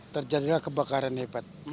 terjadilah kebakaran hebat